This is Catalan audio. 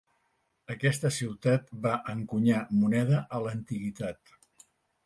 Aquesta ciutat va encunyar moneda a l'antiguitat.